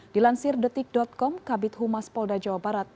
dilansir detik com kabit humas polda jawa barat